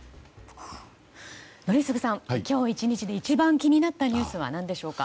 宜嗣さん、今日１日で一番気になったニュースはどれでしょうか。